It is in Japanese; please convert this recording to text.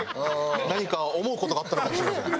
何か思う事があったのかもしれません。